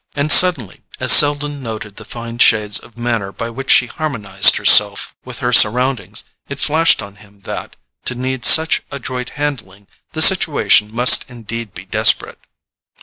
And suddenly, as Selden noted the fine shades of manner by which she harmonized herself with her surroundings, it flashed on him that, to need such adroit handling, the situation must indeed be desperate.